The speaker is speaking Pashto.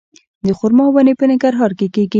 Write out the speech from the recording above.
د خرما ونې په ننګرهار کې کیږي؟